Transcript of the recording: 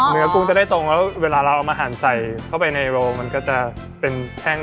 กุ้งจะได้ตรงแล้วเวลาเราเอามาหั่นใส่เข้าไปในโรงมันก็จะเป็นแห้ง